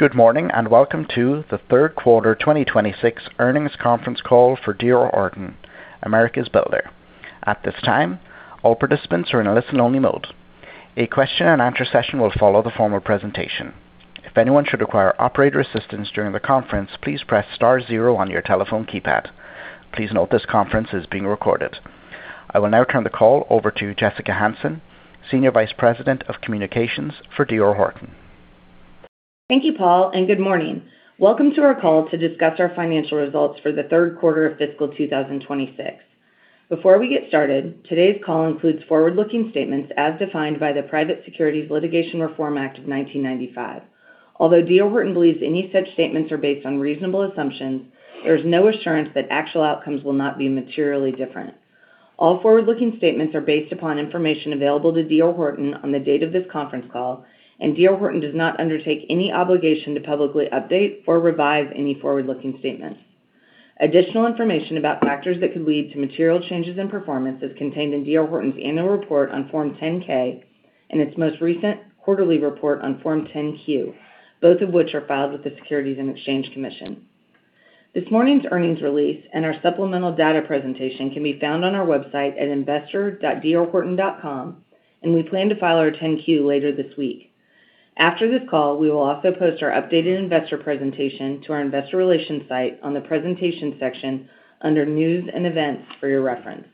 Good morning. Welcome to the third quarter 2026 earnings conference call for D.R. Horton, America's Builder. At this time, all participants are in a listen only mode. A question and answer session will follow the formal presentation. If anyone should require operator assistance during the conference, please press star zero on your telephone keypad. Please note this conference is being recorded. I will now turn the call over to Jessica Hansen, Senior Vice President of Communications for D.R. Horton. Thank you, Paul. Good morning. Welcome to our call to discuss our financial results for the third quarter of fiscal 2026. Before we get started, today's call includes forward-looking statements as defined by the Private Securities Litigation Reform Act of 1995. Although D.R. Horton believes any such statements are based on reasonable assumptions, there is no assurance that actual outcomes will not be materially different. All forward-looking statements are based upon information available to D.R. Horton on the date of this conference call. D.R. Horton does not undertake any obligation to publicly update or revise any forward-looking statements. Additional information about factors that could lead to material changes in performance is contained in D.R. Horton's annual report on Form 10-K and its most recent quarterly report on Form 10-Q, both of which are filed with the Securities and Exchange Commission. This morning's earnings release and our supplemental data presentation can be found on our website at investor.drhorton.com. We plan to file our 10-Q later this week. After this call, we will also post our updated investor presentation to our investor relations site on the presentation section under news and events for your reference.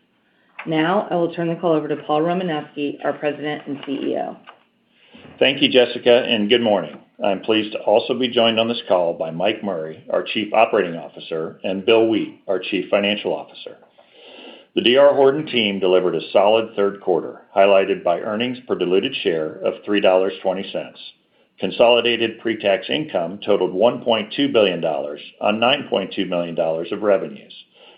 I will turn the call over to Paul Romanowski, our President and CEO. Thank you, Jessica. Good morning. I'm pleased to also be joined on this call by Mike Murray, our Chief Operating Officer, and Bill Wheat, our Chief Financial Officer. The D.R. Horton team delivered a solid third quarter, highlighted by earnings per diluted share of $3.20. Consolidated pre-tax income totaled $1.2 billion on $9.2 billion of revenues,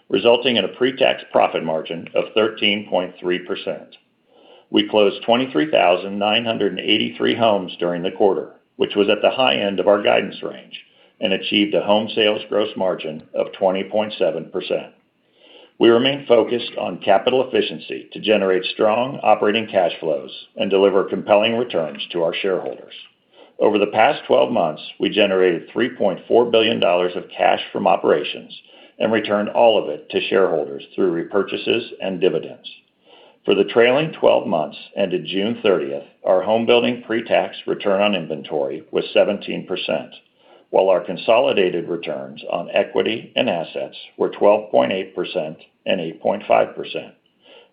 resulting in a pre-tax profit margin of 13.3%. We closed 23,983 homes during the quarter, which was at the high end of our guidance range. Achieved a home sales gross margin of 20.7%. We remain focused on capital efficiency to generate strong operating cash flows and deliver compelling returns to our shareholders. Over the past 12 months, we generated $3.4 billion of cash from operations. Returned all of it to shareholders through repurchases and dividends. For the trailing 12 months and to June 30th, our home building pre-tax return on inventory was 17%, while our consolidated returns on equity and assets were 12.8% and 8.5%.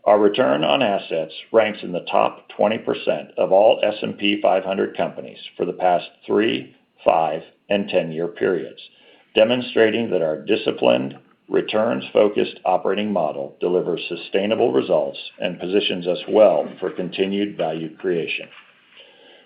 Our return on assets ranks in the top 20% of all S&P 500 companies for the past three, five, and 10-year periods, demonstrating that our disciplined, returns-focused operating model delivers sustainable results and positions us well for continued value creation.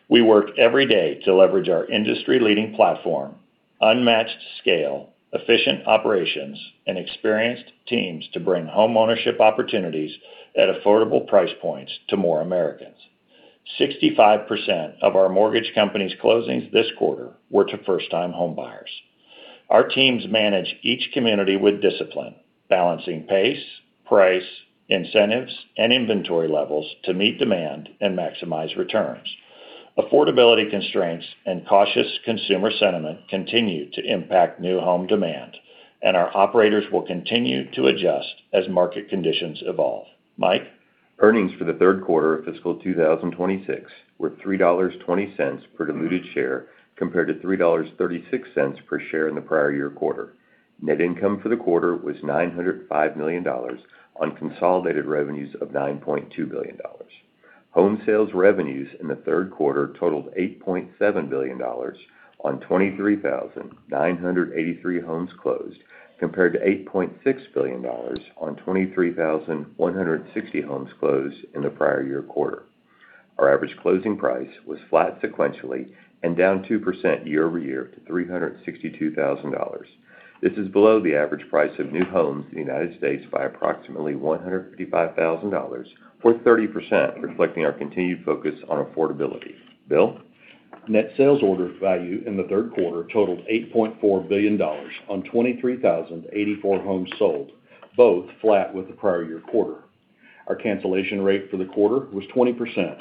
We work every day to leverage our industry-leading platform, unmatched scale, efficient operations, and experienced teams to bring homeownership opportunities at affordable price points to more Americans. 65% of our mortgage company's closings this quarter were to first-time homebuyers. Our teams manage each community with discipline, balancing pace, price, incentives, and inventory levels to meet demand and maximize returns. Affordability constraints and cautious consumer sentiment continue to impact new home demand. Our operators will continue to adjust as market conditions evolve. Mike? Earnings for the third quarter of fiscal 2026 were $3.20 per diluted share compared to $3.36 per share in the prior year quarter. Net income for the quarter was $905 million on consolidated revenues of $9.2 billion. Home sales revenues in the third quarter totaled $8.7 billion on 23,983 homes closed, compared to $8.6 billion on 23,160 homes closed in the prior year quarter. Our average closing price was flat sequentially and down 2% year-over-year to $362,000. This is below the average price of new homes in the U.S. by approximately $155,000, or 30%, reflecting our continued focus on affordability. Bill? Net sales order value in the third quarter totaled $8.4 billion on 23,084 homes sold, both flat with the prior year quarter. Our cancellation rate for the quarter was 20%,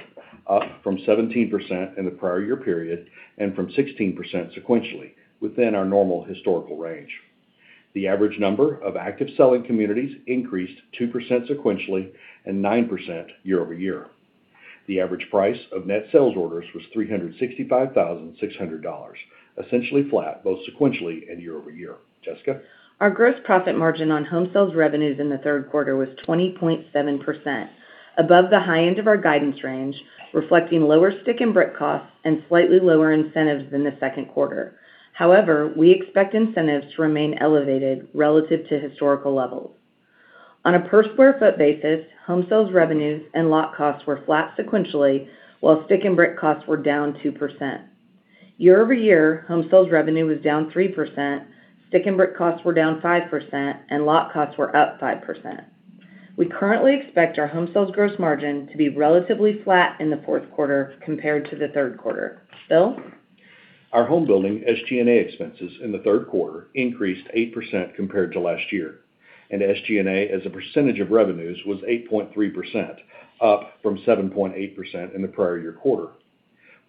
up from 17% in the prior year period and from 16% sequentially, within our normal historical range. The average number of active selling communities increased 2% sequentially and 9% year-over-year. The average price of net sales orders was $365,600, essentially flat both sequentially and year-over-year. Jessica? Our gross profit margin on home sales revenues in the third quarter was 20.7%, above the high end of our guidance range, reflecting lower stick and brick costs and slightly lower incentives than the second quarter. However, we expect incentives to remain elevated relative to historical levels. On a per square foot basis, home sales revenues and lot costs were flat sequentially, while stick and brick costs were down 2%. Year-over-year, home sales revenue was down 3%, stick and brick costs were down 5%, and lot costs were up 5%. We currently expect our home sales gross margin to be relatively flat in the fourth quarter compared to the third quarter. Bill? Our home building SG&A expenses in the third quarter increased 8% compared to last year. SG&A as a percentage of revenues was 8.3%, up from 7.8% in the prior year quarter.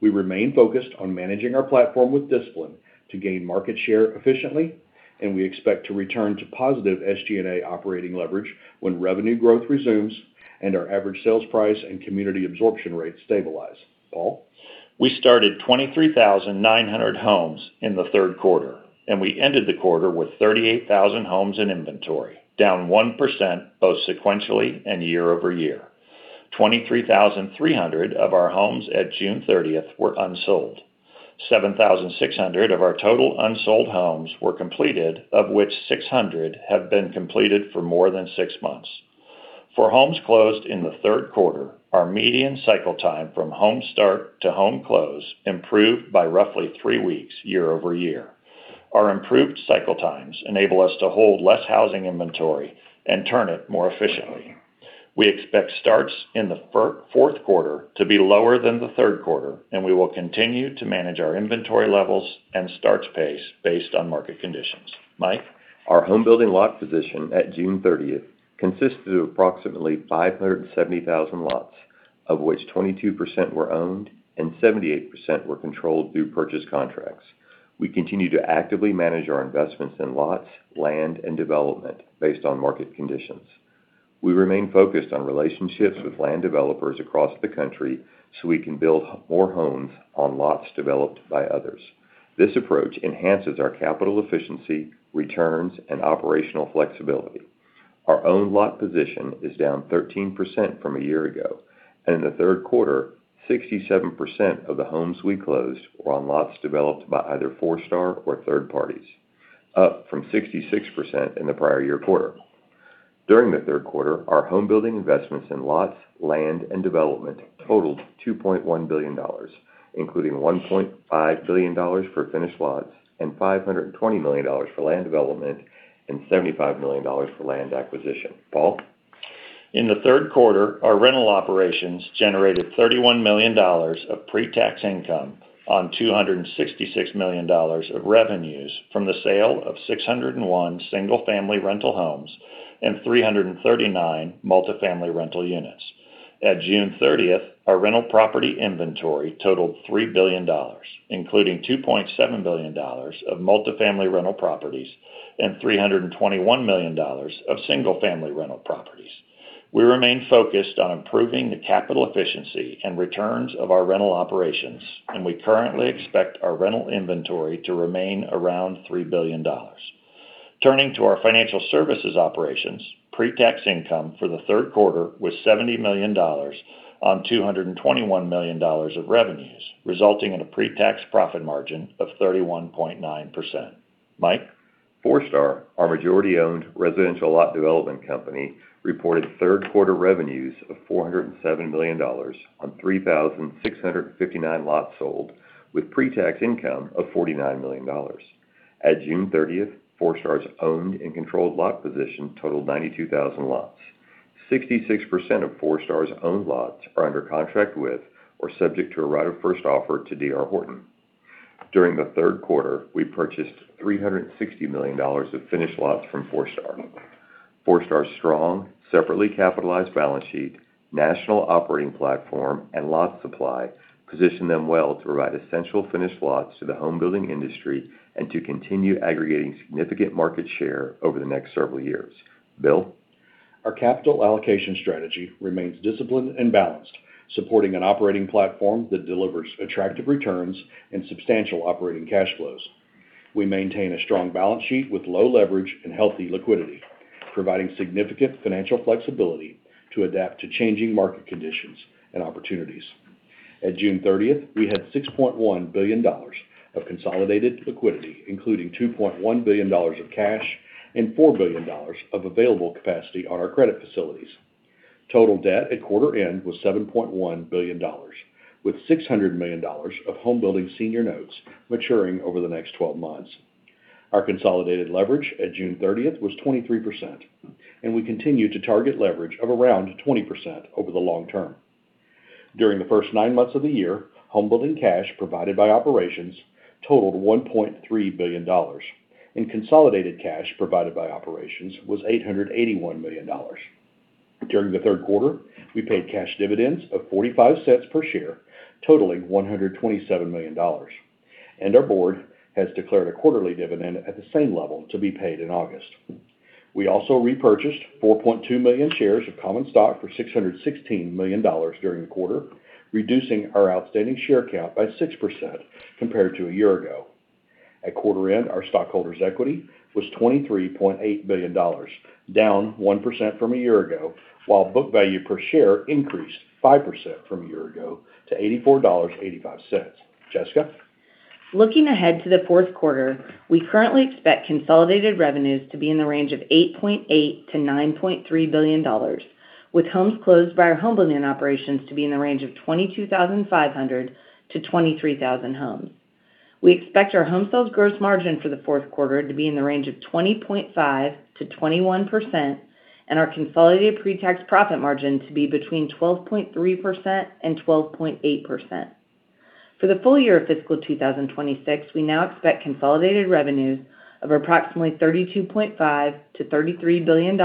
We remain focused on managing our platform with discipline to gain market share efficiently, and we expect to return to positive SG&A operating leverage when revenue growth resumes and our average sales price and community absorption rates stabilize. Paul? We started 23,900 homes in the third quarter. We ended the quarter with 38,000 homes in inventory, down 1% both sequentially and year-over-year. 23,300 of our homes at June 30th were unsold. 7,600 of our total unsold homes were completed, of which 600 have been completed for more than six months. For homes closed in the third quarter, our median cycle time from home start to home close improved by roughly three weeks year-over-year. Our improved cycle times enable us to hold less housing inventory and turn it more efficiently. We expect starts in the fourth quarter to be lower than the third quarter. We will continue to manage our inventory levels and starts pace based on market conditions. Mike? Our homebuilding lot position at June 30th consisted of approximately 570,000 lots, of which 22% were owned and 78% were controlled through purchase contracts. We continue to actively manage our investments in lots, land, and development based on market conditions. We remain focused on relationships with land developers across the country so we can build more homes on lots developed by others. This approach enhances our capital efficiency, returns, and operational flexibility. Our own lot position is down 13% from a year ago. In the third quarter, 67% of the homes we closed were on lots developed by either Forestar or third parties, up from 66% in the prior year quarter. During the third quarter, our homebuilding investments in lots, land, and development totaled $2.1 billion, including $1.5 billion for finished lots, $520 million for land development, and $75 million for land acquisition. Paul? In the third quarter, our rental operations generated $31 million of pre-tax income on $266 million of revenues from the sale of 601 single-family rental homes and 339 multi-family rental units. At June 30th, our rental property inventory totaled $3 billion, including $2.7 billion of multi-family rental properties and $321 million of single-family rental properties. We remain focused on improving the capital efficiency and returns of our rental operations, and we currently expect our rental inventory to remain around $3 billion. Turning to our financial services operations, pre-tax income for the third quarter was $70 million on $221 million of revenues, resulting in a pre-tax profit margin of 31.9%. Mike? Forestar, our majority-owned residential lot development company, reported third quarter revenues of $407 million on 3,659 lots sold, with pre-tax income of $49 million. At June 30th, Forestar's owned and controlled lot position totaled 92,000 lots. 66% of Forestar's owned lots are under contract with or subject to a right of first offer to D.R. Horton. During the third quarter, we purchased $360 million of finished lots from Forestar. Forestar's strong, separately capitalized balance sheet, national operating platform, and lot supply position them well to provide essential finished lots to the homebuilding industry and to continue aggregating significant market share over the next several years. Bill? Our capital allocation strategy remains disciplined and balanced, supporting an operating platform that delivers attractive returns and substantial operating cash flows. We maintain a strong balance sheet with low leverage and healthy liquidity, providing significant financial flexibility to adapt to changing market conditions and opportunities. At June 30th, we had $6.1 billion of consolidated liquidity, including $2.1 billion of cash and $4 billion of available capacity on our credit facilities. Total debt at quarter end was $7.1 billion, with $600 million of homebuilding senior notes maturing over the next 12 months. Our consolidated leverage at June 30th was 23%, and we continue to target leverage of around 20% over the long term. During the first nine months of the year, homebuilding cash provided by operations totaled $1.3 billion, and consolidated cash provided by operations was $881 million. During the third quarter, we paid cash dividends of $0.45 per share, totaling $127 million, and our board has declared a quarterly dividend at the same level to be paid in August. We also repurchased 4.2 million shares of common stock for $616 million during the quarter, reducing our outstanding share count by 6% compared to a year ago. At quarter end, our stockholders' equity was $23.8 billion, down 1% from a year ago, while book value per share increased 5% from a year ago to $84.85. Jessica? Looking ahead to the fourth quarter, we currently expect consolidated revenues to be in the range of $8.8 billion-$9.3 billion, with homes closed by our homebuilding operations to be in the range of 22,500-23,000 homes. We expect our home sales gross margin for the fourth quarter to be in the range of 20.5%-21%, and our consolidated pre-tax profit margin to be between 12.3% and 12.8%. For the full year of fiscal 2026, we now expect consolidated revenues of approximately $32.5 billion-$33 billion,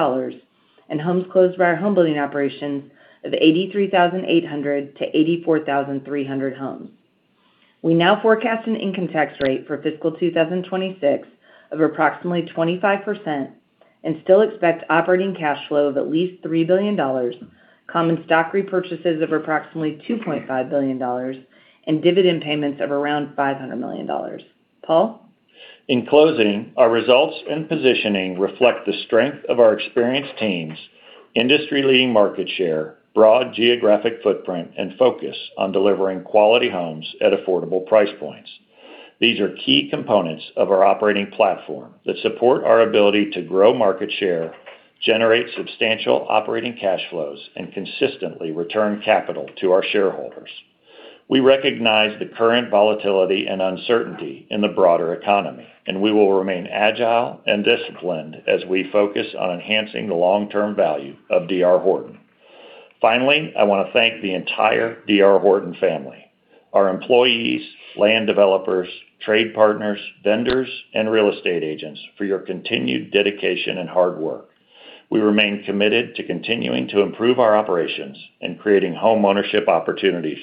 and homes closed by our homebuilding operations of 83,800-84,300 homes. We now forecast an income tax rate for fiscal 2026 of approximately 25%, and still expect operating cash flow of at least $3 billion, common stock repurchases of approximately $2.5 billion, and dividend payments of around $500 million. Paul? In closing, our results and positioning reflect the strength of our experienced teams, industry-leading market share, broad geographic footprint, and focus on delivering quality homes at affordable price points. These are key components of our operating platform that support our ability to grow market share, generate substantial operating cash flows, and consistently return capital to our shareholders. We recognize the current volatility and uncertainty in the broader economy, and we will remain agile and disciplined as we focus on enhancing the long-term value of D.R. Horton. Finally, I want to thank the entire D.R. Horton family, our employees, land developers, trade partners, vendors, and real estate agents for your continued dedication and hard work. We remain committed to continuing to improve our operations and creating home ownership opportunities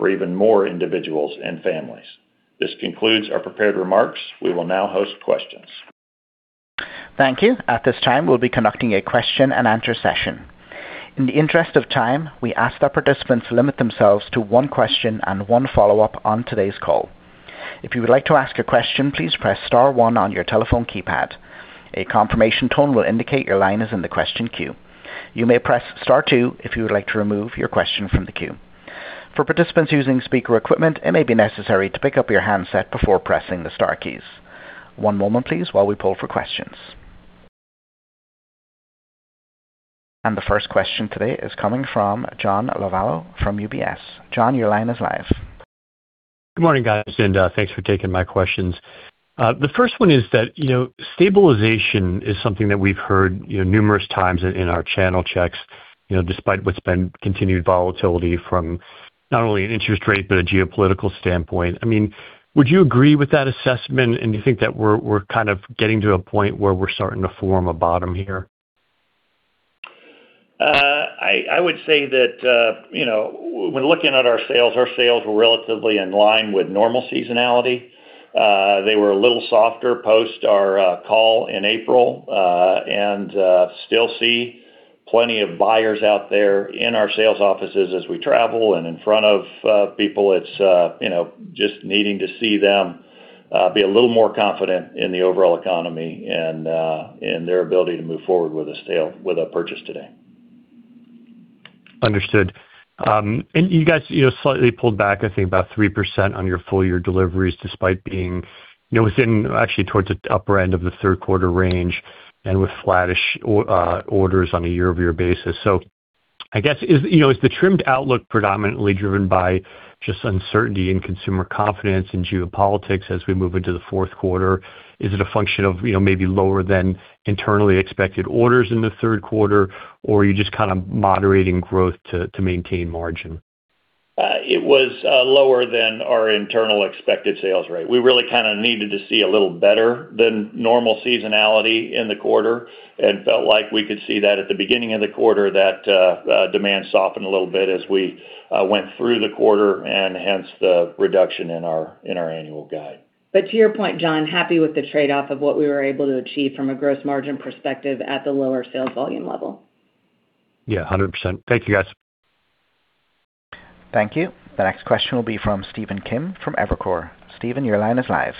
for even more individuals and families. This concludes our prepared remarks. We will now host questions. Thank you. At this time, we will be conducting a question and answer session. In the interest of time, we ask that participants limit themselves to one question and one follow-up on today's call. If you would like to ask a question, please press star one on your telephone keypad. A confirmation tone will indicate your line is in the question queue. You may press star two if you would like to remove your question from the queue. For participants using speaker equipment, it may be necessary to pick up your handset before pressing the star keys. One moment, please, while we poll for questions. The first question today is coming from John Lovallo from UBS. John, your line is live. Good morning, guys. Thanks for taking my questions. The first one is that stabilization is something that we have heard numerous times in our channel checks, despite what has been continued volatility from not only an interest rate, but a geopolitical standpoint. Would you agree with that assessment, and do you think that we are getting to a point where we are starting to form a bottom here? I would say that when looking at our sales, our sales were relatively in line with normal seasonality. They were a little softer post our call in April, and still see plenty of buyers out there in our sales offices as we travel and in front of people. It's just needing to see them be a little more confident in the overall economy and their ability to move forward with a purchase today. Understood. You guys slightly pulled back, I think, about 3% on your full-year deliveries, despite being within, actually towards the upper end of the third quarter range, and with flattish orders on a year-over-year basis. I guess, is the trimmed outlook predominantly driven by just uncertainty in consumer confidence in geopolitics as we move into the fourth quarter? Is it a function of maybe lower than internally expected orders in the third quarter? Are you just moderating growth to maintain margin? It was lower than our internal expected sales rate. We really needed to see a little better than normal seasonality in the quarter and felt like we could see that at the beginning of the quarter. That demand softened a little bit as we went through the quarter, and hence the reduction in our annual guide. To your point, John, happy with the trade-off of what we were able to achieve from a gross margin perspective at the lower sales volume level. Yeah, 100%. Thank you, guys. Thank you. The next question will be from Stephen Kim from Evercore. Stephen, your line is live.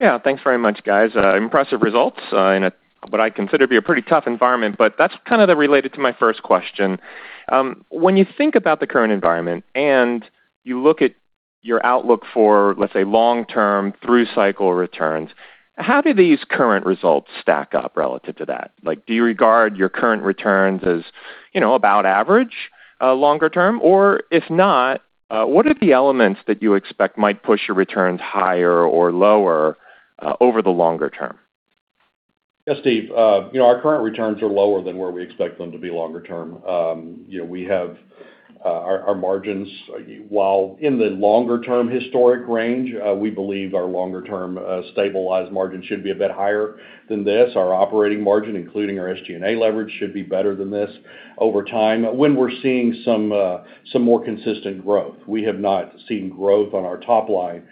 Yeah. Thanks very much, guys. Impressive results in what I consider to be a pretty tough environment. That's kind of related to my first question. When you think about the current environment and you look at your outlook for, let's say, long-term through cycle returns, how do these current results stack up relative to that? Do you regard your current returns as about average longer term? If not, what are the elements that you expect might push your returns higher or lower over the longer term? Yeah, Steve. Our current returns are lower than where we expect them to be longer term. Our margins, while in the longer term historic range, we believe our longer term stabilized margin should be a bit higher than this. Our operating margin, including our SG&A leverage, should be better than this over time when we're seeing some more consistent growth. We have not seen growth on our top line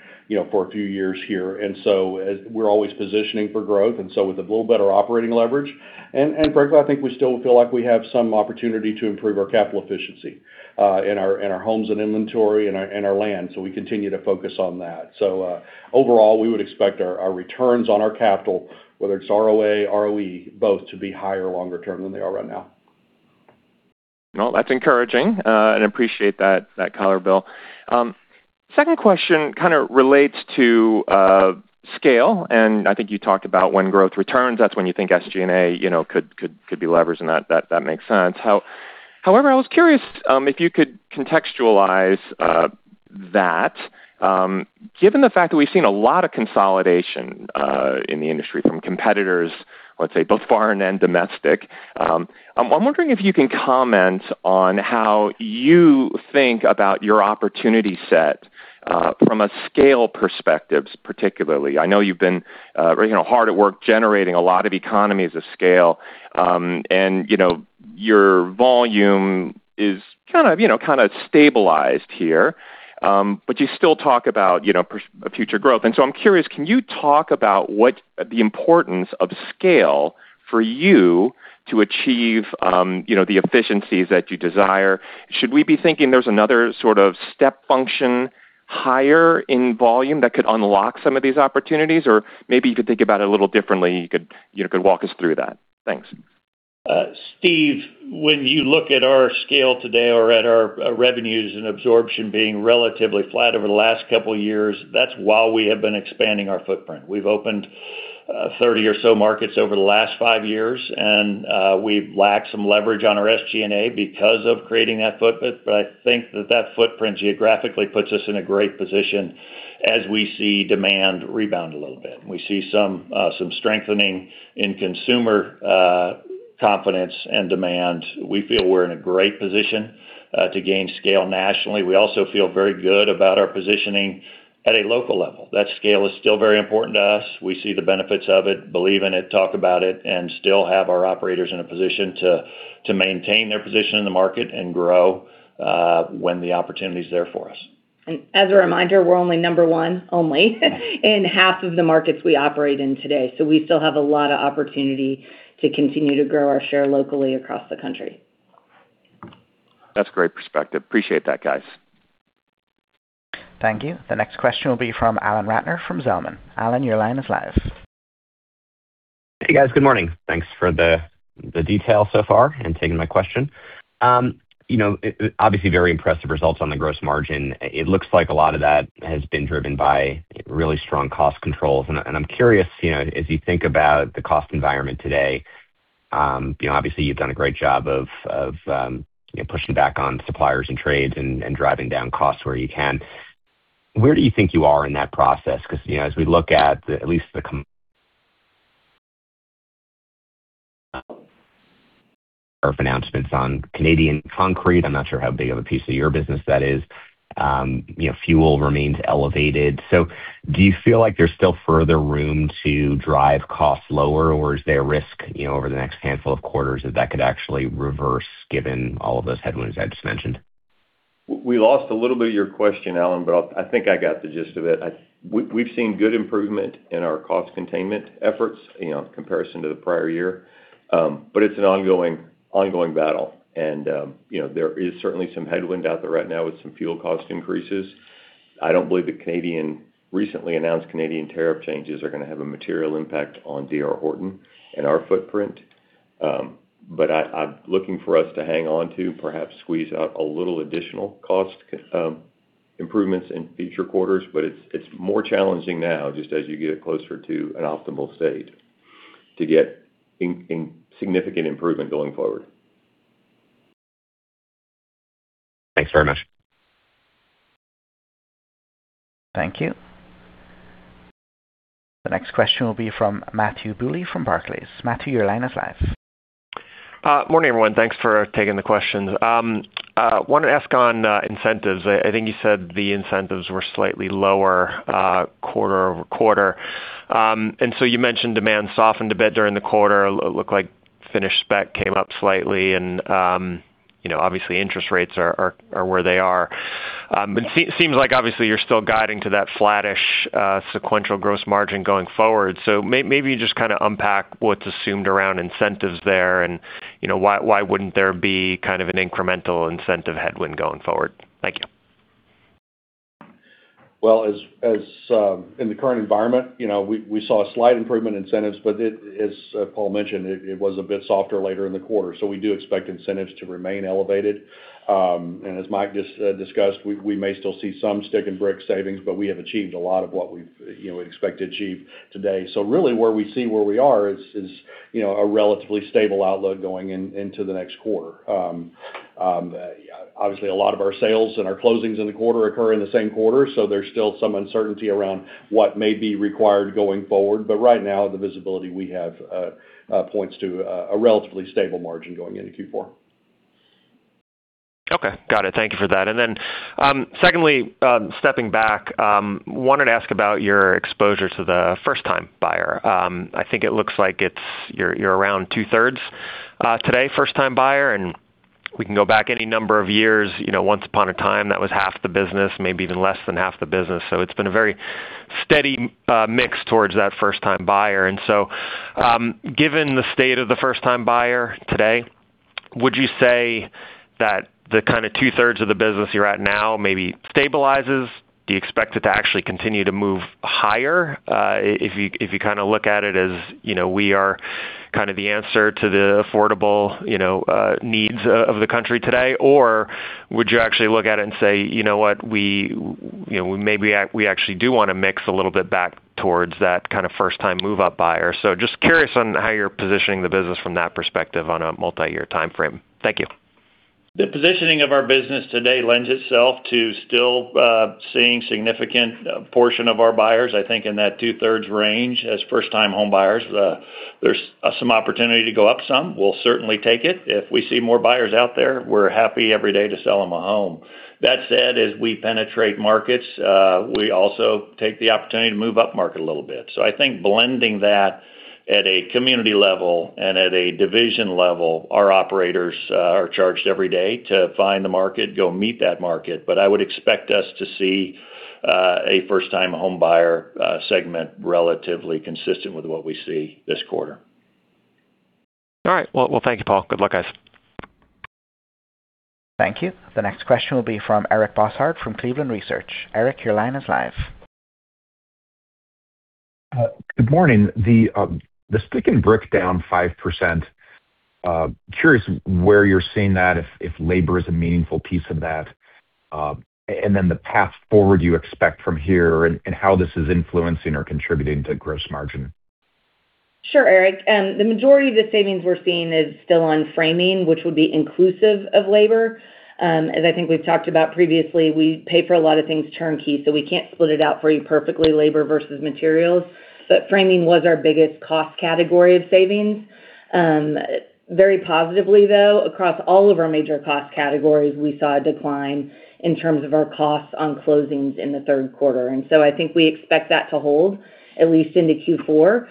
for a few years here. We're always positioning for growth, and so with a little better operating leverage. Frankly, I think we still feel like we have some opportunity to improve our capital efficiency in our homes and inventory and our land. We continue to focus on that. Overall, we would expect our returns on our capital, whether it's ROA, ROE, both to be higher longer term than they are right now. Well, that's encouraging, and appreciate that color, Bill. Second question kind of relates to scale. I think you talked about when growth returns, that's when you think SG&A could be leveraged, and that makes sense. However, I was curious if you could contextualize that given the fact that we've seen a lot of consolidation in the industry from competitors, let's say both foreign and domestic. I'm wondering if you can comment on how you think about your opportunity set from a scale perspective particularly. I know you've been hard at work generating a lot of economies of scale. Your volume is kind of stabilized here. You still talk about future growth. I'm curious, can you talk about what the importance of scale for you to achieve the efficiencies that you desire? Should we be thinking there's another sort of step function higher in volume that could unlock some of these opportunities? Maybe you could think about it a little differently. You could walk us through that. Thanks. Steve, when you look at our scale today or at our revenues and absorption being relatively flat over the last couple of years, that's while we have been expanding our footprint. We've opened 30 or so markets over the last five years. We've lacked some leverage on our SG&A because of creating that footprint. I think that footprint geographically puts us in a great position as we see demand rebound a little bit. We see some strengthening in consumer confidence and demand. We feel we're in a great position to gain scale nationally. We also feel very good about our positioning at a local level. That scale is still very important to us. We see the benefits of it, believe in it, talk about it, and still have our operators in a position to maintain their position in the market and grow when the opportunity is there for us. As a reminder, we're only number one, only, in half of the markets we operate in today. We still have a lot of opportunity to continue to grow our share locally across the country. That's great perspective. Appreciate that, guys. Thank you. The next question will be from Alan Ratner from Zelman. Alan, your line is live. Hey, guys. Good morning. Thanks for the detail so far and taking my question. Obviously very impressive results on the gross margin. It looks like a lot of that has been driven by really strong cost controls. I'm curious, as you think about the cost environment today, obviously you've done a great job of pushing back on suppliers and trades and driving down costs where you can. Where do you think you are in that process? Because as we look at at least the announcements on Canadian Concrete, I'm not sure how big of a piece of your business that is. Fuel remains elevated. Do you feel like there's still further room to drive costs lower, or is there a risk over the next handful of quarters that that could actually reverse given all of those headwinds I just mentioned? We lost a little bit of your question, Alan, I think I got the gist of it. We've seen good improvement in our cost containment efforts in comparison to the prior year. It's an ongoing battle. There is certainly some headwind out there right now with some fuel cost increases. I don't believe the recently announced Canadian tariff changes are going to have a material impact on D.R. Horton and our footprint. I'm looking for us to hang on to, perhaps squeeze out a little additional cost improvements in future quarters. It's more challenging now, just as you get closer to an optimal state to get significant improvement going forward. Thanks very much. Thank you. The next question will be from Matthew Bouley from Barclays. Matthew, your line is live. Morning, everyone. Thanks for taking the questions. Wanted to ask on incentives. I think you said the incentives were slightly lower quarter-over-quarter. You mentioned demand softened a bit during the quarter, looked like finished spec came up slightly, and obviously interest rates are where they are. It seems like obviously you're still guiding to that flattish sequential gross margin going forward. Maybe you just kind of unpack what's assumed around incentives there and why wouldn't there be kind of an incremental incentive headwind going forward? Thank you. In the current environment, we saw a slight improvement in incentives, but as Paul mentioned, it was a bit softer later in the quarter. We do expect incentives to remain elevated. As Mike just discussed, we may still see some stick and brick savings, but we have achieved a lot of what we expect to achieve today. Really where we see where we are is a relatively stable outlook going into the next quarter. Obviously a lot of our sales and our closings in the quarter occur in the same quarter, so there's still some uncertainty around what may be required going forward. Right now, the visibility we have points to a relatively stable margin going into Q4. Okay. Got it. Thank you for that. Then, secondly, stepping back, wanted to ask about your exposure to the first-time buyer. I think it looks like you're around two-thirds today, first-time buyer, and we can go back any number of years. Once upon a time, that was half the business, maybe even less than half the business. It's been a very steady mix towards that first-time buyer. Given the state of the first-time buyer today, would you say that the kind of two-thirds of the business you're at now maybe stabilizes? Do you expect it to actually continue to move higher, if you kind of look at it as we are kind of the answer to the affordable needs of the country today, or would you actually look at it and say, "You know what? Maybe we actually do want to mix a little bit back towards that kind of first-time move-up buyer." Just curious on how you're positioning the business from that perspective on a multi-year timeframe. Thank you. The positioning of our business today lends itself to still seeing significant portion of our buyers, I think, in that two-thirds range as first-time homebuyers. There's some opportunity to go up some. We'll certainly take it. If we see more buyers out there, we're happy every day to sell them a home. That said, as we penetrate markets, we also take the opportunity to move upmarket a little bit. I think blending that at a community level and at a division level, our operators are charged every day to find the market, go meet that market. I would expect us to see a first-time homebuyer segment relatively consistent with what we see this quarter. All right. Well, thank you, Paul. Good luck, guys. Thank you. The next question will be from Eric Bosshard from Cleveland Research. Eric, your line is live. Good morning. The stick and brick down 5%, curious where you're seeing that, if labor is a meaningful piece of that. The path forward you expect from here and how this is influencing or contributing to gross margin. Sure, Eric. The majority of the savings we're seeing is still on framing, which would be inclusive of labor. As I think we've talked about previously, we pay for a lot of things turnkey, so we can't split it out for you perfectly, labor versus materials. Framing was our biggest cost category of savings. Very positively, though, across all of our major cost categories, we saw a decline in terms of our costs on closings in the third quarter. So I think we expect that to hold at least into Q4.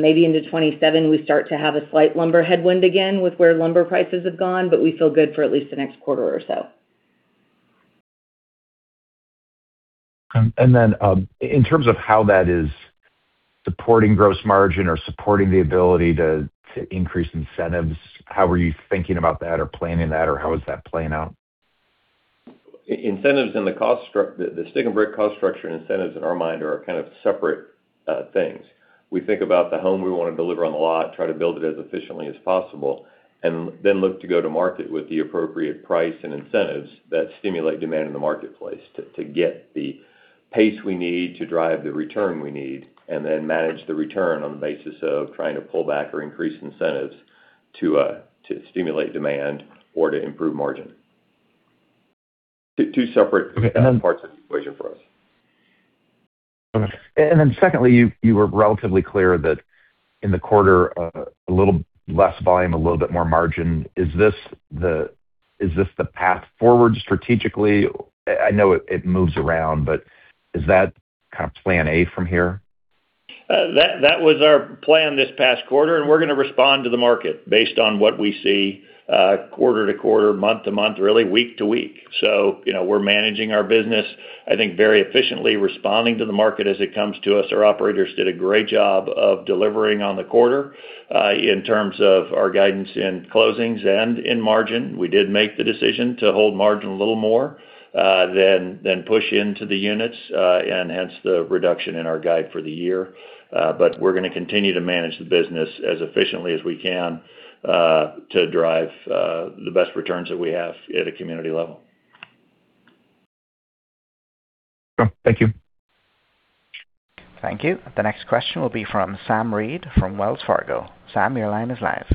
Maybe into 2027, we start to have a slight lumber headwind again with where lumber prices have gone, we feel good for at least the next quarter or so. In terms of how that is supporting gross margin or supporting the ability to increase incentives, how are you thinking about that or planning that, or how is that playing out? The stick and brick cost structure and incentives in our mind are kind of separate things. We think about the home we want to deliver on the lot, try to build it as efficiently as possible, and then look to go to market with the appropriate price and incentives that stimulate demand in the marketplace to get the pace we need to drive the return we need, and then manage the return on the basis of trying to pull back or increase incentives to stimulate demand or to improve margin. Two separate parts of the equation for us. Secondly, you were relatively clear that in the quarter, a little less volume, a little bit more margin. Is this the path forward strategically? I know it moves around, but is that kind of plan A from here? That was our plan this past quarter, and we're going to respond to the market based on what we see quarter to quarter, month to month, really week to week. We're managing our business, I think, very efficiently, responding to the market as it comes to us. Our operators did a great job of delivering on the quarter. In terms of our guidance in closings and in margin, we did make the decision to hold margin a little more than push into the units, and hence the reduction in our guide for the year. We're going to continue to manage the business as efficiently as we can to drive the best returns that we have at a community level. Thank you. Thank you. The next question will be from Sam Reid from Wells Fargo. Sam, your line is live.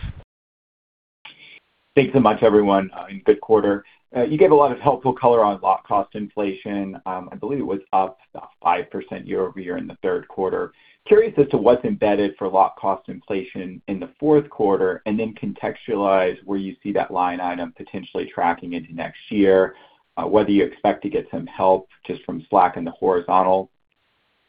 Thanks so much, everyone, good quarter. You gave a lot of helpful color on lot cost inflation. I believe it was up 5% year-over-year in the third quarter. Curious as to what's embedded for lot cost inflation in the fourth quarter, and then contextualize where you see that line item potentially tracking into next year, whether you expect to get some help just from slack in the horizontal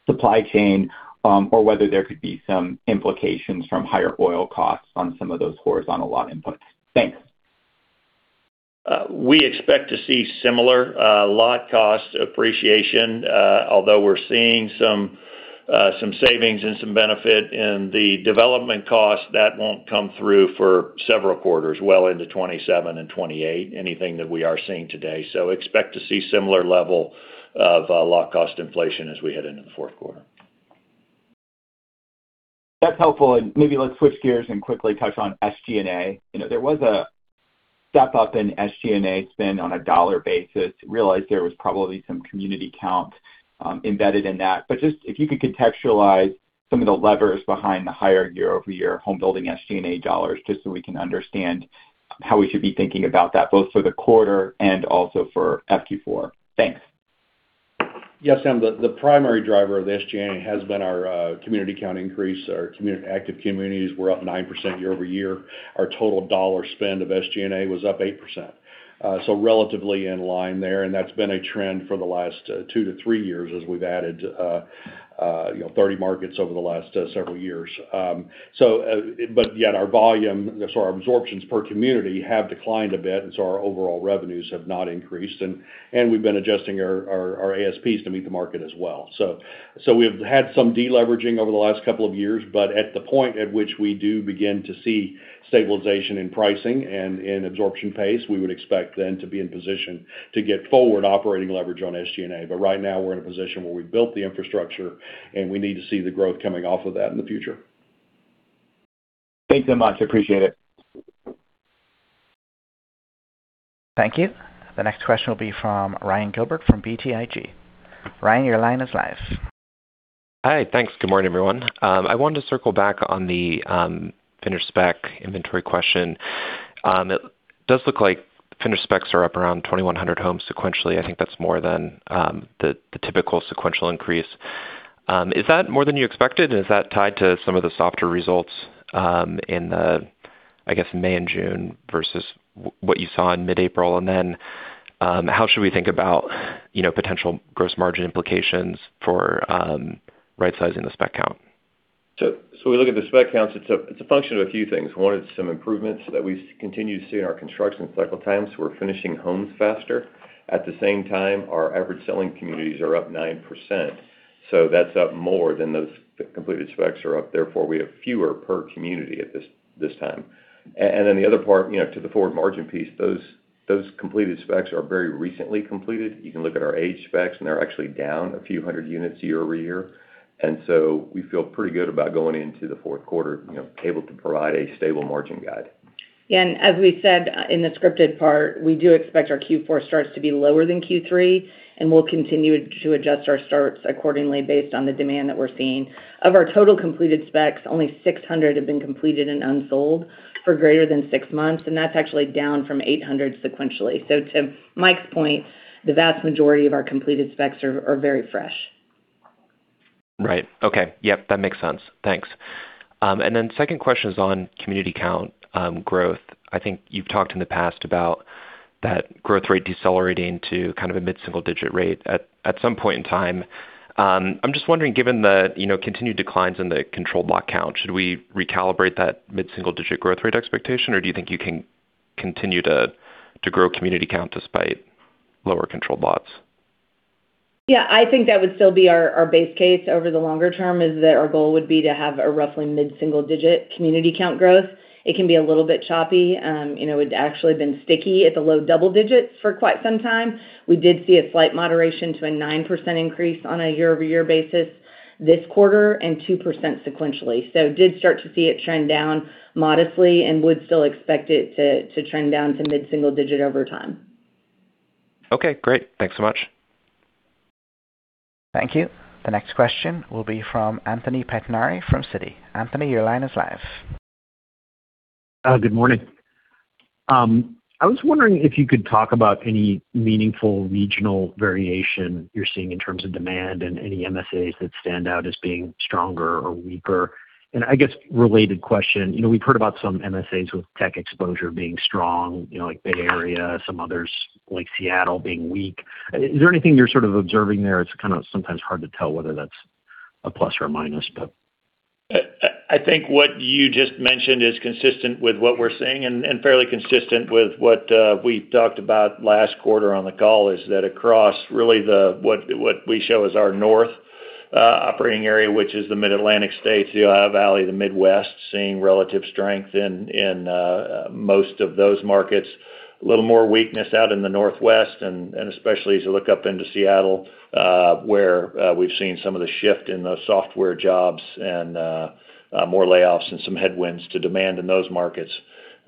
supply chain, or whether there could be some implications from higher oil costs on some of those horizontal lot inputs. Thanks. We expect to see similar lot cost appreciation. Although we're seeing some savings and some benefit in the development cost, that won't come through for several quarters, well into 2027 and 2028, anything that we are seeing today. Expect to see similar level of lot cost inflation as we head into the fourth quarter. That's helpful. Maybe let's switch gears and quickly touch on SG&A. There was a step-up in SG&A spend on a dollar basis. Realize there was probably some community count embedded in that. Just if you could contextualize some of the levers behind the higher year-over-year homebuilding SG&A dollars, just so we can understand how we should be thinking about that, both for the quarter and also for FQ4. Thanks. Yeah, Sam, the primary driver of the SG&A has been our community count increase. Our active communities were up 9% year-over-year. Our total dollar spend of SG&A was up 8%. Relatively in line there, and that's been a trend for the last two to three years as we've added 30 markets over the last several years. Yet our volume, our absorptions per community have declined a bit, our overall revenues have not increased. We've been adjusting our ASPs to meet the market as well. We've had some de-leveraging over the last couple of years, but at the point at which we do begin to see stabilization in pricing and in absorption pace, we would expect then to be in position to get forward operating leverage on SG&A. Right now, we're in a position where we've built the infrastructure, we need to see the growth coming off of that in the future. Thanks so much. I appreciate it. Thank you. The next question will be from Ryan Gilbert from BTIG. Ryan, your line is live. Hi. Thanks. Good morning, everyone. I wanted to circle back on the finished spec inventory question. It does look like finished specs are up around 2,100 homes sequentially. I think that's more than the typical sequential increase. Is that more than you expected, and is that tied to some of the softer results in the, I guess, May and June versus what you saw in mid-April? How should we think about potential gross margin implications for rightsizing the spec count? When we look at the spec counts, it's a function of a few things. One is some improvements that we continue to see in our construction cycle times. We're finishing homes faster. At the same time, our average selling communities are up 9%, so that's up more than those completed specs are up. Therefore, we have fewer per community at this time. The other part, to the forward margin piece, those completed specs are very recently completed. You can look at our age specs, and they're actually down a few hundred units year-over-year. We feel pretty good about going into the fourth quarter, able to provide a stable margin guide. Yeah, as we said in the scripted part, we do expect our Q4 starts to be lower than Q3, and we'll continue to adjust our starts accordingly based on the demand that we're seeing. Of our total completed specs, only 600 have been completed and unsold for greater than six months, and that's actually down from 800 sequentially. To Mike's point, the vast majority of our completed specs are very fresh. Right. Okay. Yep, that makes sense. Thanks. Second question is on community count growth. I think you've talked in the past about that growth rate decelerating to kind of a mid-single digit rate at some point in time. I'm just wondering, given the continued declines in the controlled lot count, should we recalibrate that mid-single digit growth rate expectation, or do you think you can continue to grow community count despite lower controlled lots? I think that would still be our base case over the longer term, is that our goal would be to have a roughly mid-single digit community count growth. It can be a little bit choppy. It's actually been sticky at the low double digits for quite some time. We did see a slight moderation to a 9% increase on a year-over-year basis this quarter, and 2% sequentially. Did start to see it trend down modestly and would still expect it to trend down to mid-single digit over time. Okay, great. Thanks so much. Thank you. The next question will be from Anthony Pettinari from Citi. Anthony, your line is live. Good morning. I was wondering if you could talk about any meaningful regional variation you're seeing in terms of demand and any MSAs that stand out as being stronger or weaker. I guess, related question. We've heard about some MSAs with tech exposure being strong, like Bay Area, some others, like Seattle being weak. Is there anything you're sort of observing there? It's kind of sometimes hard to tell whether that's a plus or a minus. I think what you just mentioned is consistent with what we're seeing, and fairly consistent with what we talked about last quarter on the call, is that across really what we show as our north operating area, which is the Mid-Atlantic states, the Ohio Valley, the Midwest, seeing relative strength in most of those markets. A little more weakness out in the Northwest and especially as you look up into Seattle, where we've seen some of the shift in the software jobs, and more layoffs and some headwinds to demand in those markets.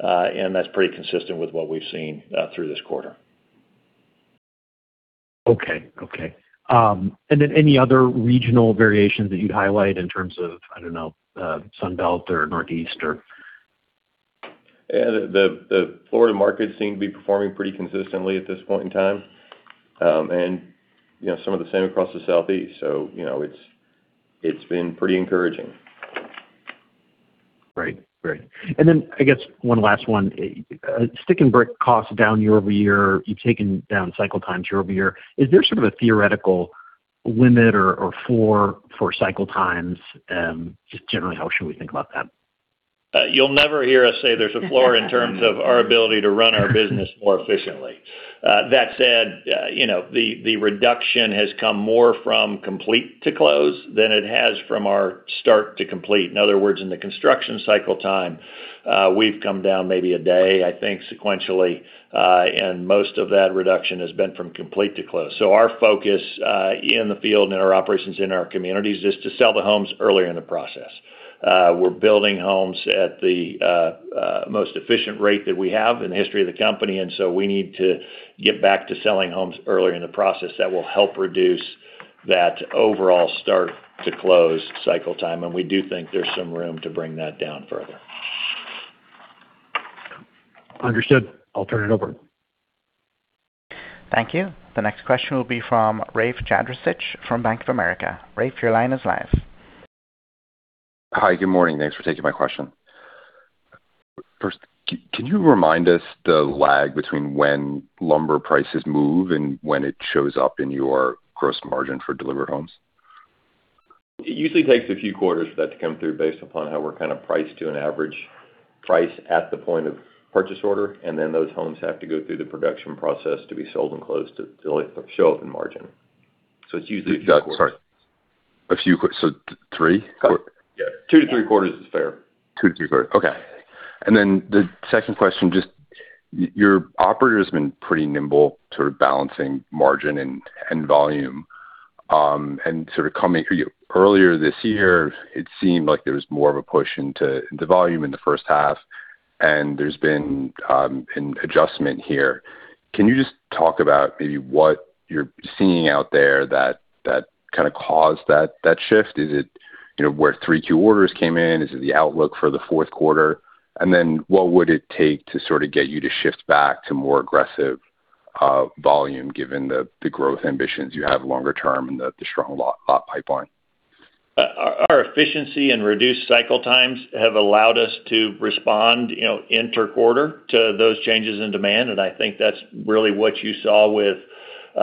That's pretty consistent with what we've seen through this quarter. Okay. Okay. Any other regional variations that you'd highlight in terms of, I don't know, Sun Belt or Northeast or? Yeah. The Florida markets seem to be performing pretty consistently at this point in time. Some of the same across the Southeast, so it's been pretty encouraging. Great. Great. I guess one last one. Stick and brick costs down year-over-year. You've taken down cycle times year-over-year. Is there sort of a theoretical limit or floor for cycle times? Just generally, how should we think about that? You'll never hear us say there's a floor in terms of our ability to run our business more efficiently. That said, the reduction has come more from complete to close than it has from our start to complete. In other words, in the construction cycle time, we've come down maybe a day, I think, sequentially. Most of that reduction has been from complete to close. Our focus in the field and in our operations in our communities is to sell the homes earlier in the process. We're building homes at the most efficient rate that we have in the history of the company, we need to get back to selling homes earlier in the process. That will help reduce that overall start-to-close cycle time, we do think there's some room to bring that down further. Understood. I'll turn it over. Thank you. The next question will be from Rafe Jadrosich from Bank of America. Rafe, your line is live. Hi. Good morning. Thanks for taking my question. First, can you remind us the lag between when lumber prices move and when it shows up in your gross margin for delivered homes? It usually takes a few quarters for that to come through based upon how we're kind of priced to an average price at the point of purchase order, and then those homes have to go through the production process to be sold and closed to show up in margin. It's usually a few quarters. Sorry, a few quarters, three? Yeah. Two to three quarters is fair. Two to three quarters. Okay. The second question, your operator's been pretty nimble, sort of balancing margin and volume. Coming earlier this year, it seemed like there was more of a push into the volume in the first half. There's been an adjustment here. Can you just talk about maybe what you're seeing out there that caused that shift? Is it where 3Q orders came in? Is it the outlook for the fourth quarter? What would it take to sort of get you to shift back to more aggressive volume, given the growth ambitions you have longer term and the strong pipeline? Our efficiency and reduced cycle times have allowed us to respond inter-quarter to those changes in demand. I think that's really what you saw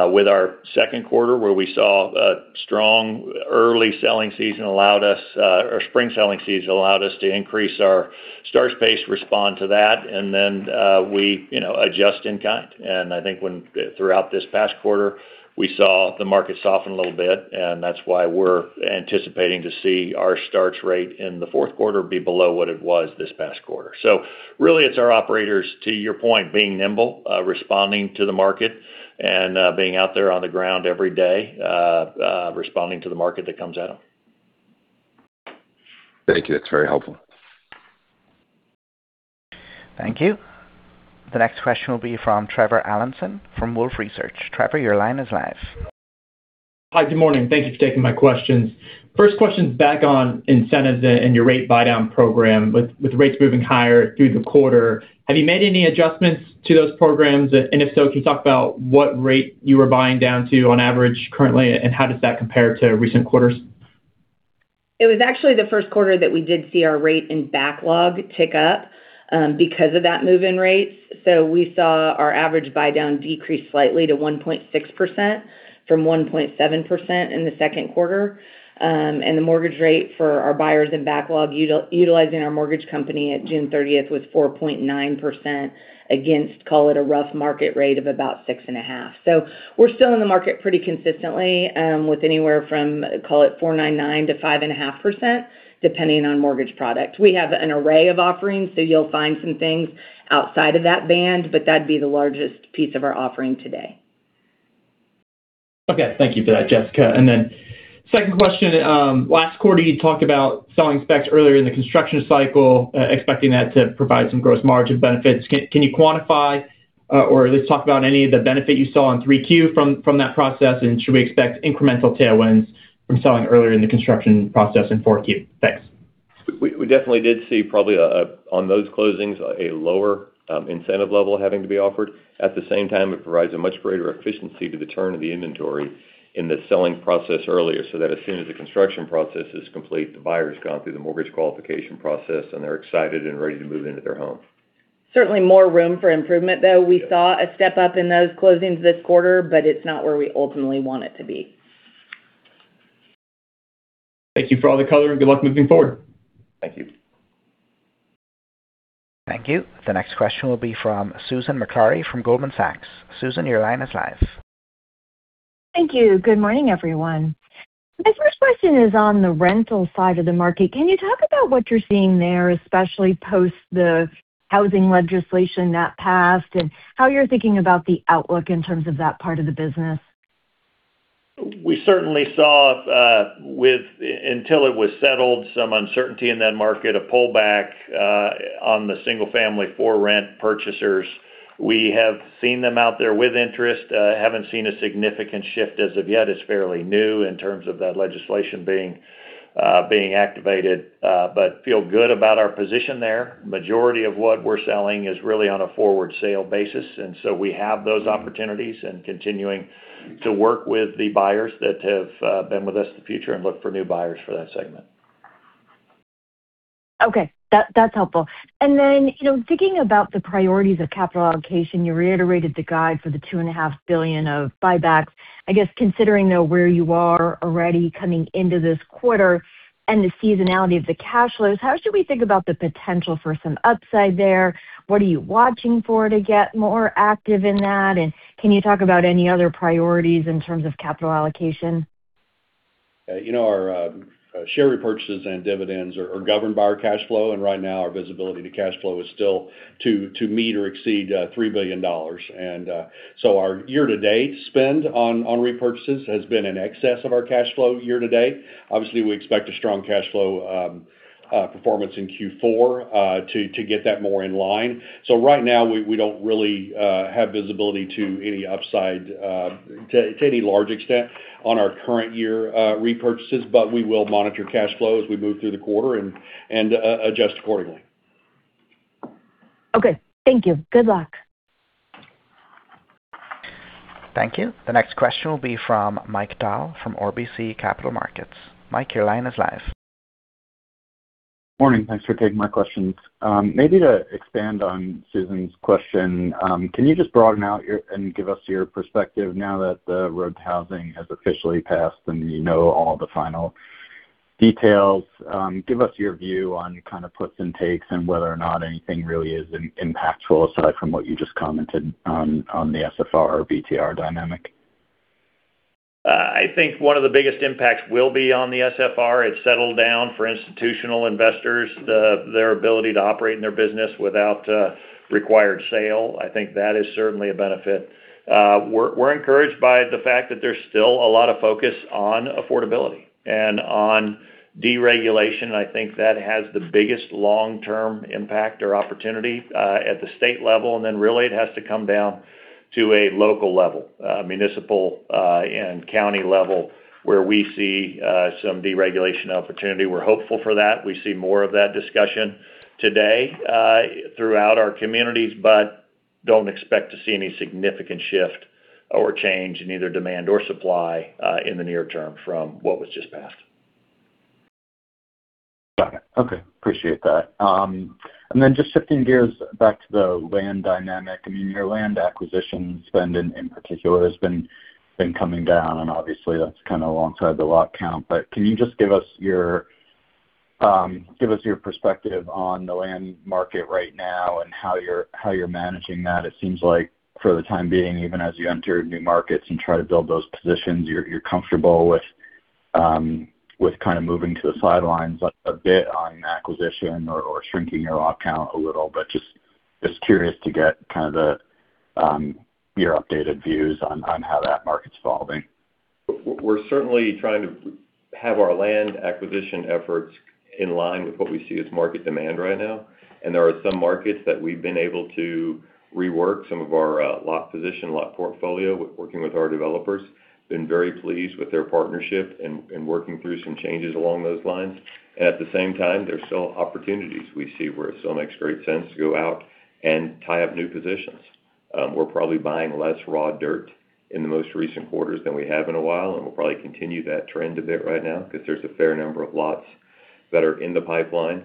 with our second quarter, where we saw a strong early spring selling season allowed us to increase our starts pace, respond to that, and then we adjust in kind. I think when throughout this past quarter, we saw the market soften a little bit, and that's why we're anticipating to see our starts rate in the fourth quarter be below what it was this past quarter. Really it's our operators, to your point, being nimble, responding to the market, and being out there on the ground every day, responding to the market that comes at them. Thank you. That's very helpful. Thank you. The next question will be from Trevor Allinson from Wolfe Research. Trevor, your line is live. Hi. Good morning. Thank you for taking my questions. First question is back on incentives and your rate buydown program. With rates moving higher through the quarter, have you made any adjustments to those programs? If so, can you talk about what rate you are buying down to on average currently, and how does that compare to recent quarters? It was actually the first quarter that we did see our rate in backlog tick up because of that move in rates. We saw our average buydown decrease slightly to 1.6% from 1.7% in the second quarter. The mortgage rate for our buyers in backlog utilizing our mortgage company at June 30th was 4.9% against, call it, a rough market rate of about 6.5%. We're still in the market pretty consistently, with anywhere from, call it, 4.99%-5.5%, depending on mortgage product. We have an array of offerings, so you'll find some things outside of that band, but that'd be the largest piece of our offering today. Okay. Thank you for that, Jessica. Second question. Last quarter, you talked about selling specs earlier in the construction cycle, expecting that to provide some gross margin benefits. Can you quantify or at least talk about any of the benefit you saw in Q3 from that process? Should we expect incremental tailwinds from selling earlier in the construction process in Q4? Thanks. We definitely did see probably, on those closings, a lower incentive level having to be offered. At the same time, it provides a much greater efficiency to the turn of the inventory in the selling process earlier, so that as soon as the construction process is complete, the buyer's gone through the mortgage qualification process, and they're excited and ready to move into their home. Certainly more room for improvement, though. We saw a step up in those closings this quarter, but it's not where we ultimately want it to be. Thank you for all the color, and good luck moving forward. Thank you. Thank you. The next question will be from Susan Maklari from Goldman Sachs. Susan, your line is live. Thank you. Good morning, everyone. My first question is on the rental side of the market. Can you talk about what you're seeing there, especially post the housing legislation that passed, and how you're thinking about the outlook in terms of that part of the business? We certainly saw, until it was settled, some uncertainty in that market, a pullback on the single-family for-rent purchasers. We have seen them out there with interest. Haven't seen a significant shift as of yet. It's fairly new in terms of that legislation being activated, but feel good about our position there. We have those opportunities and continuing to work with the buyers that have been with us in the future and look for new buyers for that segment. Okay. That's helpful. Thinking about the priorities of capital allocation, you reiterated the guide for the $2.5 billion of buybacks. I guess considering, though, where you are already coming into this quarter and the seasonality of the cash flows, how should we think about the potential for some upside there? What are you watching for to get more active in that? Can you talk about any other priorities in terms of capital allocation? Our share repurchases and dividends are governed by our cash flow. Right now, our visibility to cash flow is still to meet or exceed $3 billion. Our year-to-date spend on repurchases has been in excess of our cash flow year to date. Obviously, we expect a strong cash flow performance in Q4 to get that more in line. Right now, we don't really have visibility to any upside to any large extent on our current year repurchases. We will monitor cash flow as we move through the quarter and adjust accordingly. Okay. Thank you. Good luck. Thank you. The next question will be from Mike Dahl from RBC Capital Markets. Mike, your line is live. Morning. Thanks for taking my questions. Maybe to expand on Susan's question, can you just broaden out and give us your perspective now that the ROAD to Housing has officially passed, you know all the final details? Give us your view on kind of puts and takes and whether or not anything really is impactful, aside from what you just commented on the SFR or BTR dynamic. I think one of the biggest impacts will be on the SFR. It's settled down for institutional investors, their ability to operate in their business without a required sale. I think that is certainly a benefit. We're encouraged by the fact that there's still a lot of focus on affordability and on deregulation. I think that has the biggest long-term impact or opportunity at the state level. Then really it has to come down to a local level, municipal and county level, where we see some deregulation opportunity. We're hopeful for that. We see more of that discussion today throughout our communities, don't expect to see any significant shift or change in either demand or supply in the near term from what was just passed. Got it. Okay. Appreciate that. Just shifting gears back to the land dynamic. Your land acquisition spend in particular has been coming down, and obviously that's alongside the lot count. Can you just give us your perspective on the land market right now and how you're managing that? It seems like, for the time being, even as you enter new markets and try to build those positions, you're comfortable with moving to the sidelines a bit on acquisition or shrinking your lot count a little. Just curious to get your updated views on how that market's evolving. We're certainly trying to have our land acquisition efforts in line with what we see as market demand right now. There are some markets that we've been able to rework some of our lot position, lot portfolio, working with our developers. Been very pleased with their partnership and working through some changes along those lines. At the same time, there's still opportunities we see where it still makes great sense to go out and tie up new positions. We're probably buying less raw dirt in the most recent quarters than we have in a while. We'll probably continue that trend a bit right now because there's a fair number of lots that are in the pipeline,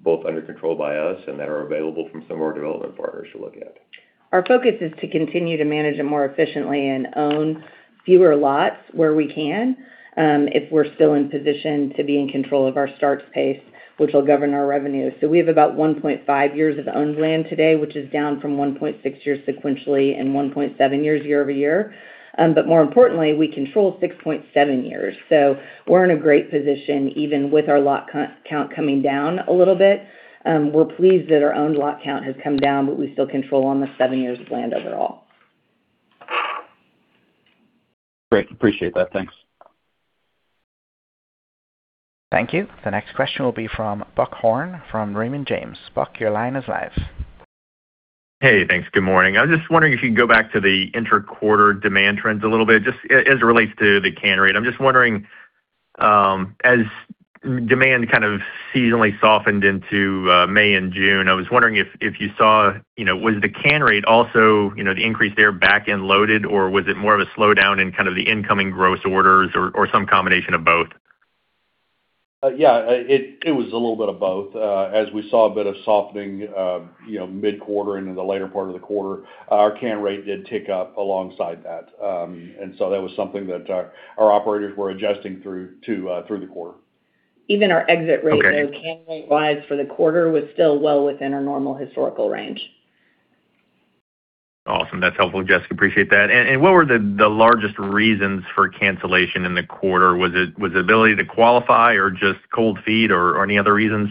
both under control by us and that are available from some of our development partners to look at. Our focus is to continue to manage it more efficiently and own fewer lots where we can if we're still in position to be in control of our starts pace, which will govern our revenue. We have about 1.5 years of owned land today, which is down from 1.6 years sequentially and 1.7 years year-over-year. More importantly, we control 6.7 years. We're in a great position, even with our lot count coming down a little bit. We're pleased that our owned lot count has come down, we still control almost seven years of land overall. Great. Appreciate that. Thanks. Thank you. The next question will be from Buck Horne, from Raymond James. Buck, your line is live. Hey, thanks. Good morning. I was just wondering if you could go back to the inter-quarter demand trends a little bit, just as it relates to the can rate. I'm just wondering, as demand kind of seasonally softened into May and June, I was wondering if you saw, was the can rate also the increase there back-end loaded, or was it more of a slowdown in kind of the incoming gross orders or some combination of both? Yeah. It was a little bit of both. As we saw a bit of softening mid-quarter into the later part of the quarter, our can rate did tick up alongside that. That was something that our operators were adjusting through the quarter. Even our exit rate, though- Okay. Rate-wise for the quarter, was still well within our normal historical range. Awesome. That's helpful, Jessica. Appreciate that. What were the largest reasons for cancellation in the quarter? Was it ability to qualify or just cold feet or any other reasons?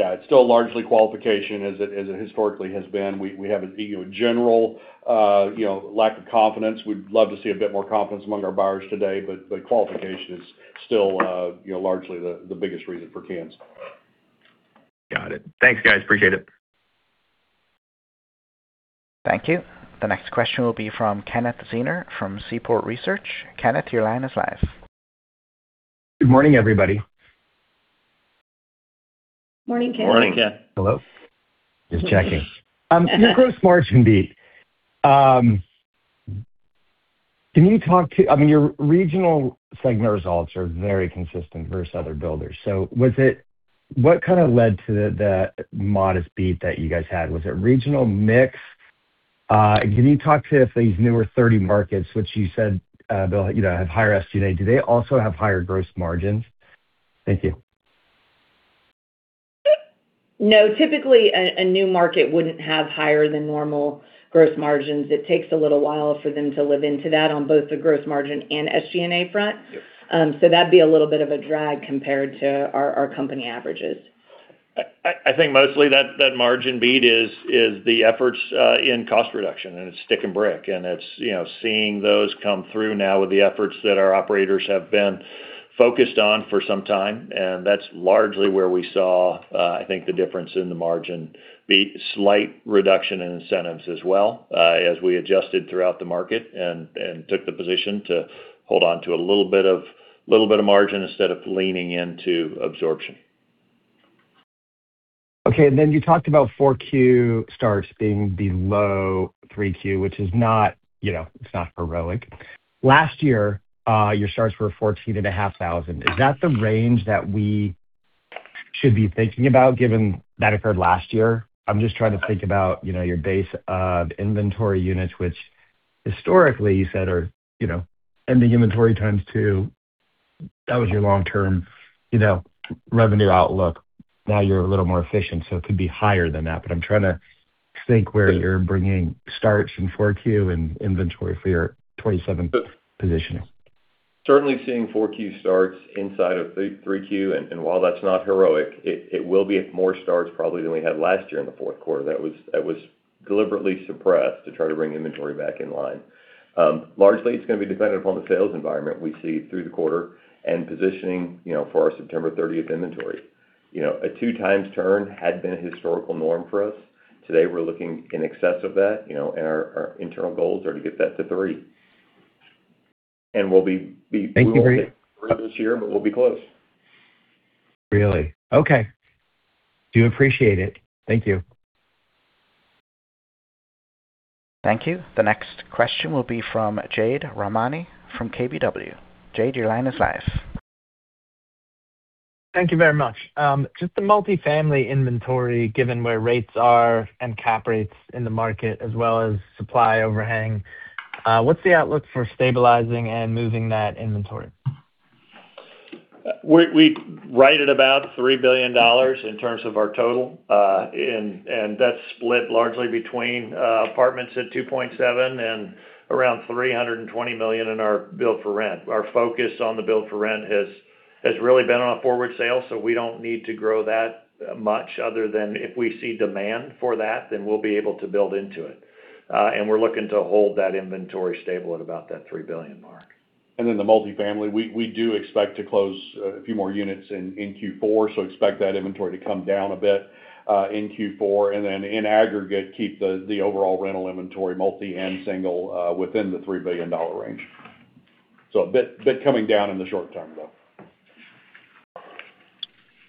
Yeah, it's still largely qualification as it historically has been. We have a general lack of confidence. We'd love to see a bit more confidence among our buyers today, qualification is still largely the biggest reason for cans. Got it. Thanks, guys. Appreciate it. Thank you. The next question will be from Kenneth Zener from Seaport Research. Kenneth, your line is live. Good morning, everybody. Morning, Ken. Morning, Ken. Hello. Just checking. On the gross margin beat, can you talk to Your regional segment results are very consistent versus other builders. What led to the modest beat that you guys had? Was it regional mix? Can you talk to these newer 30 markets, which you said have higher SG&A, do they also have higher gross margins? Thank you. No, typically a new market wouldn't have higher than normal gross margins. It takes a little while for them to live into that on both the gross margin and SG&A front. Yep. That'd be a little bit of a drag compared to our company averages. I think mostly that margin beat is the efforts in cost reduction, it's stick and brick. It's seeing those come through now with the efforts that our operators have been focused on for some time, that's largely where we saw, I think, the difference in the margin beat. Slight reduction in incentives as well, as we adjusted throughout the market and took the position to hold onto a little bit of margin instead of leaning into absorption. Okay. Then you talked about 4Q starts being below 3Q, which is not heroic. Last year, your starts were 14,500. Is that the range that we should be thinking about given that occurred last year? I'm just trying to think about your base of inventory units, which historically you said are ending inventory 2x. That was your long-term revenue outlook. Now you're a little more efficient, so it could be higher than that, but I'm trying to think where you're bringing starts in 4Q and inventory for your 2027 positioning. Certainly seeing 4Q starts inside of 3Q. While that's not heroic, it will be more starts probably than we had last year in the fourth quarter. That was deliberately suppressed to try to bring inventory back in line. Largely, it's going to be dependent upon the sales environment we see through the quarter and positioning for our September 30th inventory. A 2x turn had been a historical norm for us. Today, we're looking in excess of that, and our internal goals are to get that to 3x. We'll be- Thank you. Great. This year, we'll be close. Really. Okay. Do appreciate it. Thank you. Thank you. The next question will be from Jade Rahmani from KBW. Jade, your line is live. Thank you very much. Just the multifamily inventory, given where rates are and cap rates in the market as well as supply overhang, what's the outlook for stabilizing and moving that inventory? We write at about $3 billion in terms of our total. That's split largely between apartments at $2.7 billion and around $320 million in our build for rent. Our focus on the build for rent has really been on a forward sale, we don't need to grow that much other than if we see demand for that, we'll be able to build into it. We're looking to hold that inventory stable at about that 3 billion mark. The multifamily, we do expect to close a few more units in Q4, expect that inventory to come down a bit, in Q4, then in aggregate, keep the overall rental inventory, multi and single, within the $3 billion range. A bit coming down in the short term, though.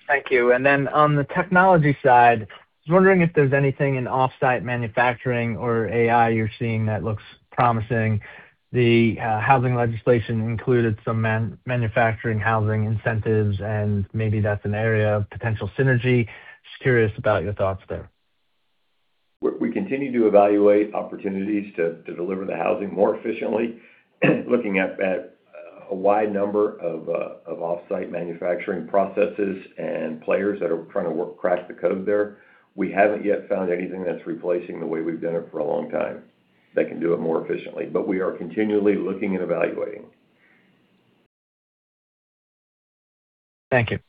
Thank you. On the technology side, I was wondering if there's anything in off-site manufacturing or AI you're seeing that looks promising. The housing legislation included some manufacturing housing incentives, and maybe that's an area of potential synergy. Just curious about your thoughts there. We continue to evaluate opportunities to deliver the housing more efficiently. Looking at a wide number of off-site manufacturing processes and players that are trying to crack the code there. We haven't yet found anything that's replacing the way we've done it for a long time that can do it more efficiently. We are continually looking and evaluating. Thank you.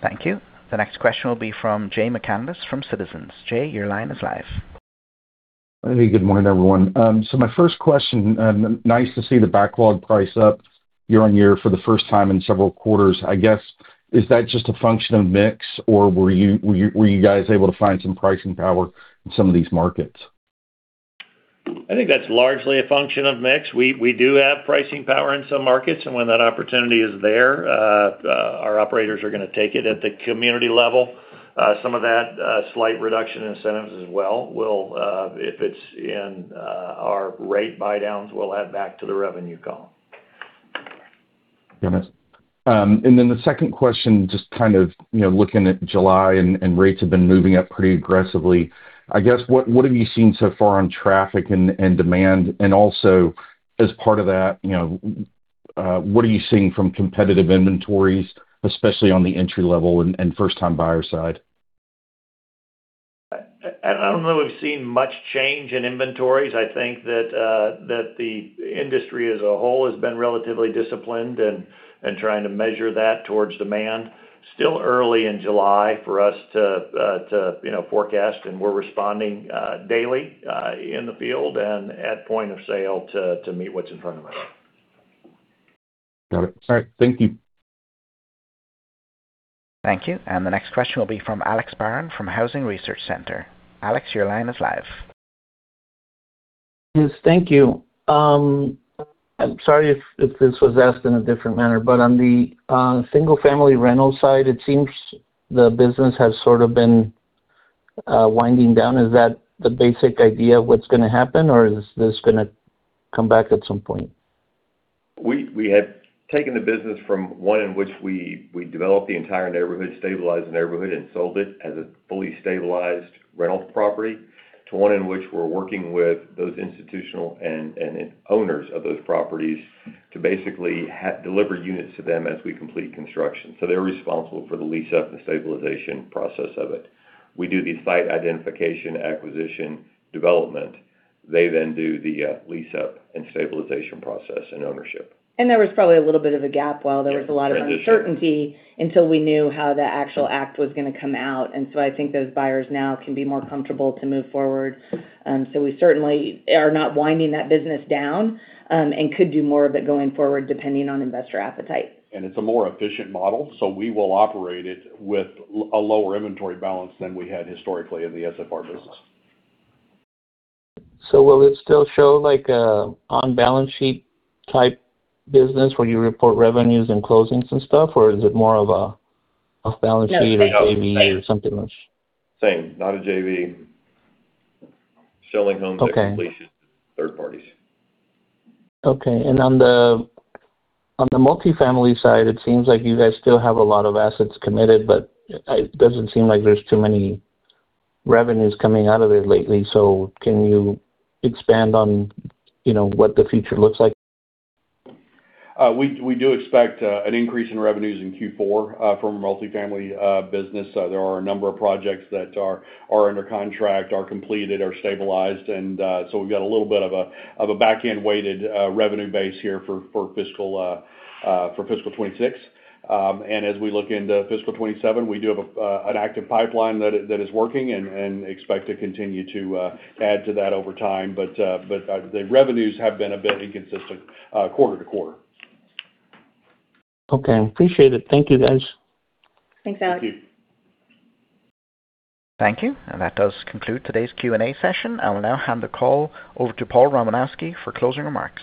Thank you. The next question will be from Jay McCanless from Citizens. Jay, your line is live. Good morning, everyone. My first question, nice to see the backlog price up year-on-year for the first time in several quarters. I guess, is that just a function of mix, or were you guys able to find some pricing power in some of these markets? I think that's largely a function of mix. We do have pricing power in some markets, and when that opportunity is there, our operators are going to take it at the community level. Some of that slight reduction in incentives as well, if it's in our rate buydowns, will add back to the revenue column. Got it. The second question, just kind of looking at July, rates have been moving up pretty aggressively. I guess, what have you seen so far on traffic and demand? Also as part of that, what are you seeing from competitive inventories, especially on the entry-level and first-time buyer side? I don't know we've seen much change in inventories. I think that the industry as a whole has been relatively disciplined and trying to measure that towards demand. Still early in July for us to forecast, and we're responding daily in the field and at point of sale to meet what's in front of us. Got it. All right. Thank you. Thank you. The next question will be from Alex Barron from Housing Research Center. Alex, your line is live. Yes, thank you. I'm sorry if this was asked in a different manner, on the single-family rental side, it seems the business has sort of been winding down. Is that the basic idea of what's going to happen, or is this going to come back at some point? We had taken the business from one in which we developed the entire neighborhood, stabilized the neighborhood, and sold it as a fully stabilized rental property, to one in which we're working with those institutional and owners of those properties to basically deliver units to them as we complete construction. They're responsible for the lease-up and stabilization process of it. We do the site identification, acquisition, development. They do the lease-up and stabilization process and ownership. There was probably a little bit of a gap while there was a lot of- Yeah, transition. There was uncertainty until we knew how the actual act was going to come out. I think those buyers now can be more comfortable to move forward. We certainly are not winding that business down, and could do more of it going forward, depending on investor appetite. It's a more efficient model, so we will operate it with a lower inventory balance than we had historically in the SFR business. Will it still show like an on-balance sheet type business where you report revenues and closings and stuff? Or is it more of an off-balance sheet or JV or something like? Same. Not a JV. Okay. Selling homes that are completed to third parties. On the multifamily side, it seems like you guys still have a lot of assets committed, it doesn't seem like there's too many revenues coming out of there lately. Can you expand on what the future looks like? We do expect an increase in revenues in Q4 from our multifamily business. There are a number of projects that are under contract, are completed, are stabilized, so we've got a little bit of a back-end-weighted revenue base here for fiscal 2026. As we look into fiscal 2027, we do have an active pipeline that is working and expect to continue to add to that over time. The revenues have been a bit inconsistent quarter-to-quarter. Okay, appreciate it. Thank you, guys. Thanks, Alex. Thank you. Thank you. That does conclude today's Q&A session. I will now hand the call over to Paul Romanowski for closing remarks.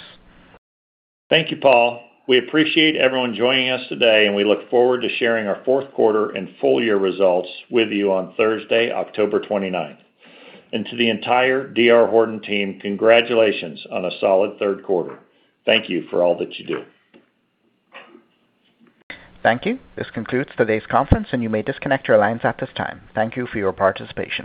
Thank you, Paul. We appreciate everyone joining us today. We look forward to sharing our fourth quarter and full-year results with you on Thursday, October 29th. To the entire D.R. Horton team, congratulations on a solid third quarter. Thank you for all that you do. Thank you. This concludes today's conference. You may disconnect your lines at this time. Thank you for your participation.